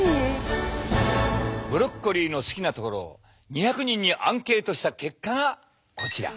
ブロッコリーの好きなところを２００人にアンケートした結果がこちら。